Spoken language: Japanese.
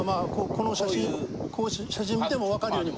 この写真見てもわかるように。